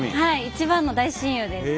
一番の大親友です。